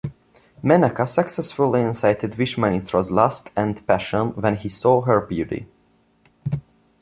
Menaka successfully incited Vishwamitra's lust and passion when he saw her beauty.